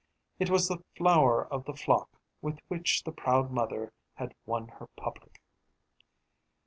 It was the flower of the flock with which the proud mother had won her public.